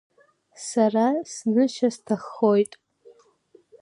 Сара снышьа сҭаххоит.